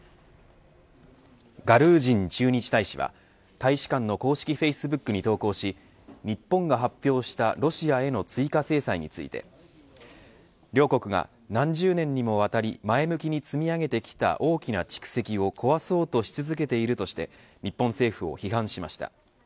ガルージン駐日大使は大使館の公式フェイスブックに投稿し日本が発表したロシアへの追加制裁について両国が何十年にもわたり前向きに積み上げてきた大きな蓄積を壊そうとし続けているとして日本政府を批判しました。